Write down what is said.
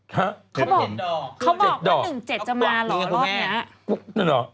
เห้อเขาบอกว่า๑๗จะมาหรอรอดแงะ